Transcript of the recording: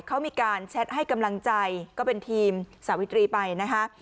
เขามีการแชทให้กำลังใจก็เป็นทีมสาวิตรีไปนะคะ